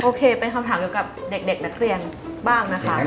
โอเคเป็นคำถามเกี่ยวกับเด็กนักเรียนบ้างนะคะ